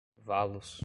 valos